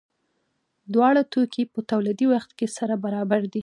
دواړه توکي په تولیدي وخت کې سره برابر دي.